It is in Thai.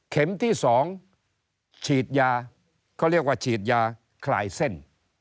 เข็มที่๒ก็เรียกว่าฉีดยาคลายเส้น